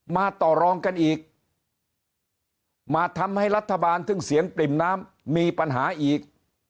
ต่อรองกันอีกมาทำให้รัฐบาลซึ่งเสียงปริ่มน้ำมีปัญหาอีก